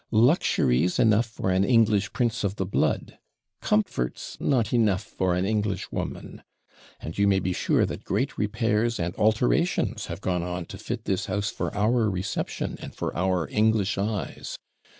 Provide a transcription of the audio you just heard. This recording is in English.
Luxuries, enough for an English prince of the blood; comforts, not enough for an English woman. And you may be sure that great repairs and alterations have gone on to fit this house for our reception, and for our English eyes!